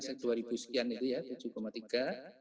sekian dua ribu sekian itu ya